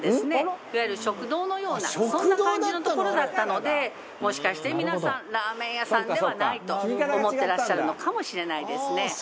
いわゆる食堂のようなそんな感じの所だったのでもしかして皆さんラーメン屋さんではないと思ってらっしゃるのかもしれないですねはい。